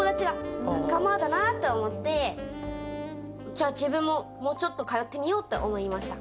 じゃあ自分ももうちょっと通ってみようって思いました。